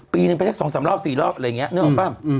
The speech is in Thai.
ปีนึงไปสัก๒๓รอบ๔รอบอะไรอย่างนี้นึกออกป่ะ